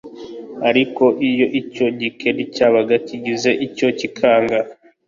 ariko iyo icyo gikeri cyabaga kigize icyo cyikanga